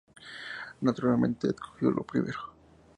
Naturalmente escogió lo primero.